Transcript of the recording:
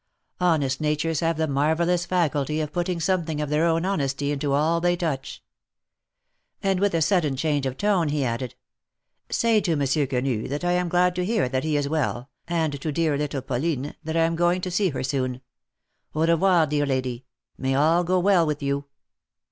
Honest natures have the marvellous faculty of putting something of their own honesty into all they touch.'^ And with a sudden change of tone, he added :" Say to Monsieur Quenu that I am glad to hear that he is well, and to dear little Pauline, that I am coming to see her soon. Au revoir, dear lady ; may all go well with you.